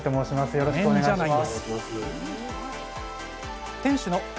よろしくお願いします。